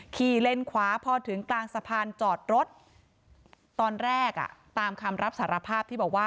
เลนขวาพอถึงกลางสะพานจอดรถตอนแรกอ่ะตามคำรับสารภาพที่บอกว่า